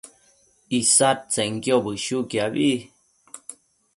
isadtsenquio bëshuquiabi